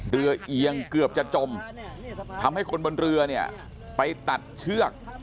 เอียงเกือบจะจมทำให้คนบนเรือเนี่ยไปตัดเชือก